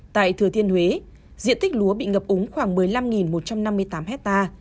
tại thừa thiên huế diện tích lúa bị ngập úng khoảng một mươi năm một trăm năm mươi tám hectare